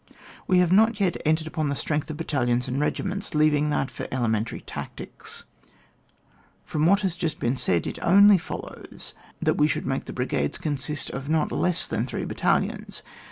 We have not entered upon the strength of battalions and regiments, leaving that for elementaiy tactics ; from what has j ust been said, it only follows that we should make the brigades consist of not less than three battalions.